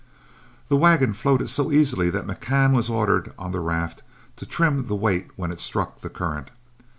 The wagon floated so easily that McCann was ordered on to the raft to trim the weight when it struck the current.